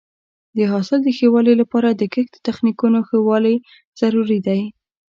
د حاصل د ښه والي لپاره د کښت د تخنیکونو ښه والی ضروري دی.